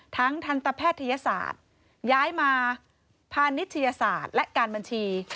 ทันตแพทยศาสตร์ย้ายมาพาณิชยศาสตร์และการบัญชี